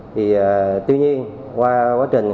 thì tuy nhiên qua quá trình